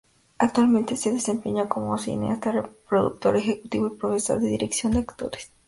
Actualmente se desempeña como cineasta, productor ejecutivo y profesor de Dirección de Actores.